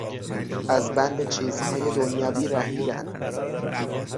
از بند چیزهای دنیوی رهیدن